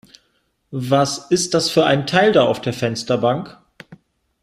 Was ist das für ein Teil da auf der Fensterbank?